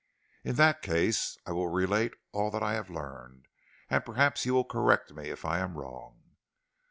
"In that case I will relate all that I have learned, and perhaps you will correct me if I am wrong."